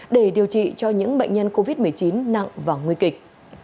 để điều trị cho những bệnh nhân covid một mươi chín nặng và nguy kịch